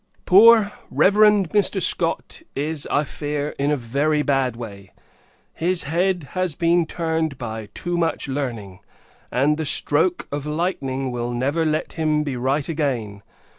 Poor Reverend Mr. Scott is, I fear, in a very bad way. His head has been turned by too much learning, and the stroke of lightning will never let him be right again.